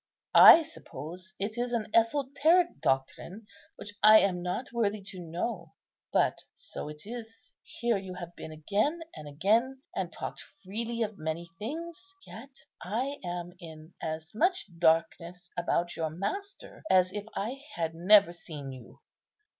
I suppose it is an esoteric doctrine which I am not worthy to know; but so it is, here you have been again and again, and talked freely of many things, yet I am in as much darkness about your Master as if I had never seen you.